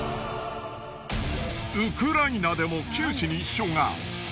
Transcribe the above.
ウクライナでも九死に一生が。